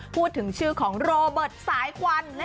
พูดถึงชื่อของโรเบิร์ตสายควัน